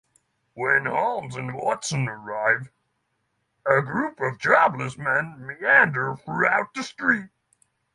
When Holmes and Watson arrive, a group of jobless men meander throughout the street.